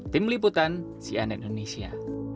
tim liputan sian indonesia